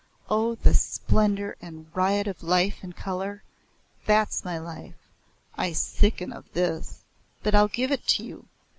Oh, the splendour and riot of life and colour! That's my life I sicken of this." "But I'll give it to you.